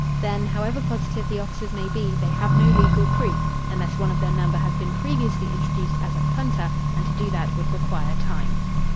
Then, however positive the officers may be, they have no legal proof, unless one of their number has been previously introduced as a "punter," and to do that would require time.